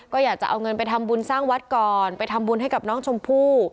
ก็อยากจะเอาเงินไปทำบุญสร้างวัดก่อนไปทำบุญให้กับน้องชมพู่